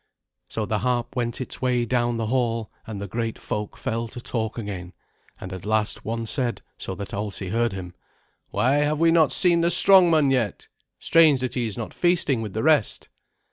So the harp went its way down the hall, and the great folk fell to talk again; and at last one said, so that Alsi heard him, "Why, we have not seen the strong man yet. Strange that he is not feasting with the rest."